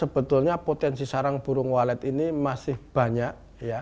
sebetulnya potensi sarang burung walet ini masih banyak